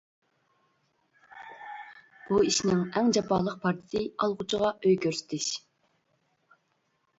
بۇ ئىشنىڭ ئەڭ جاپالىق پارچىسى ئالغۇچىغا ئۆي كۆرسىتىش.